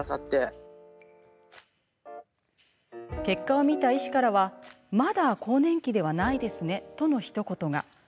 結果を見た医師からはまだ更年期ではないですねとのひと言が。